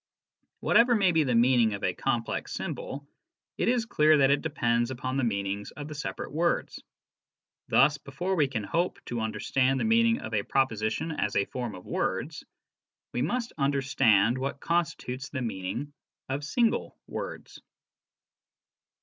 Whatever may be the meaning of the complex symbol, it is clear that it depends upon the meanings of the separate words. Thus before we can hope to understand the meaning of a proposition as a form of words, we must understand what constitutes the meaning of single words.